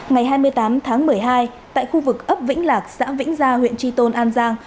ngày hai mươi tám tháng một mươi hai tại khu vực ấp vĩnh lạc xã vĩnh gia huyện tri tôn an giang